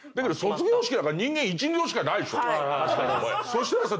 そしたらさ